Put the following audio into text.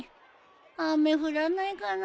雨降らないかなぁ。